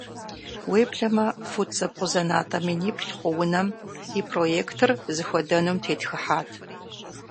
Уеблэмэ фут зэбгъузэнатӏэ миниплӏ хъу унэм и проектыр зыхуэдэнум тетхыхьат.